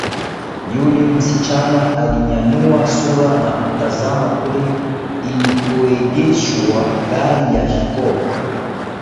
Yule msichana alinyanyua sura na kutazama kule ilikoegeshwa gari ya Jacob